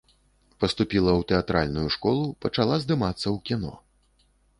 Паступіла ў тэатральную школу, пачала здымацца ў кіно.